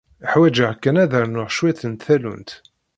Ḥwaǧeɣ kan ad rnuɣ cwiṭ n tallunt.